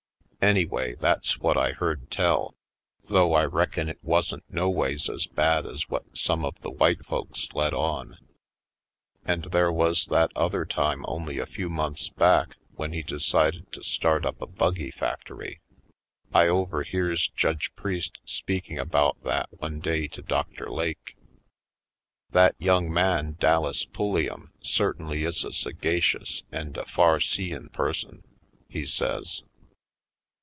An3rway, that's what I heard tell; thought I reckon it wasn't noways as bad as what some of the w^hite folks let on. And there was that other time only a few months back when he decided to start up a buggy factory. I overhears Judge Priest speaking about that one day to Dr. Lake. "That young man, Dallas PuUiam, cer tainly is a sagacious and a f arseein' person," he says.